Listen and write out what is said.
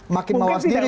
makin mawas diri nih